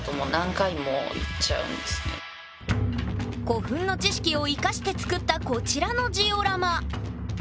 古墳の知識を生かして作ったこちらのジオラマ。